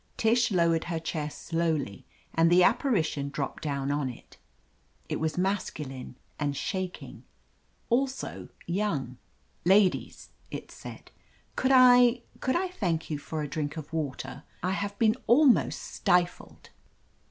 Tish lowered her chair slowly and the apparition dropped down on it. It was masculine and shaking. Also young. *TLadies," it said, "could I — could I thank you for a drink of water? I have been almost stifled."